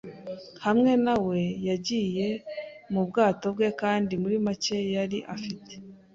hamwe na we, yagiye mu bwato bwe, kandi muri make, yari afite